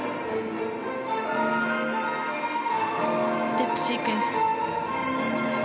ステップシークエンス。